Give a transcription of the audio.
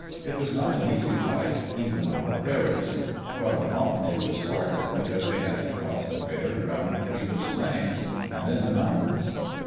It was not an easy life, even on the prairies. Farther on it was harder because they had to cross the bare, brown, treeless plains, and then the mountains.